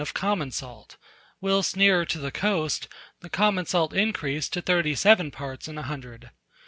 of common salt; whilst nearer to the coast, the common salt increased to 37 parts in a hundred.